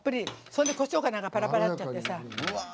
そんでこしょうかなんかパラパラってさ。